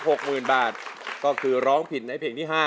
หกหมื่นบาทก็คือร้องผิดในเพลงที่ห้า